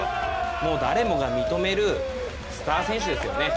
もう誰もが認めるスター選手ですよね。